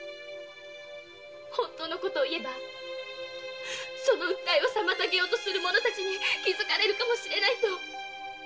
本当の事を言えばその訴えを妨げようとする者たちに気づかれるかもしれないと。